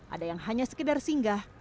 ada yang hanya sekedar singgah